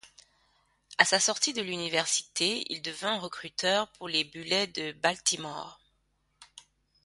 À sa sortie de l'université, il devint recruteur pour les Bullets de Baltimore.